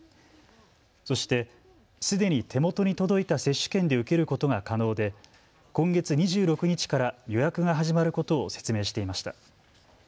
そしてすでに手元に届いた接種券で受けることが可能で今月２６日から予約が始まることを説明していました。